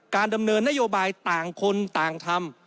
ดำเนินนโยบายต่างคนต่างทำ